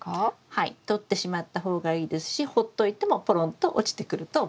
はい取ってしまった方がいいですしほっといてもポロンと落ちてくると思います。